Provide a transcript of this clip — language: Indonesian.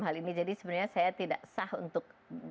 hal ini jadi sebenarnya saya tidak sah untuk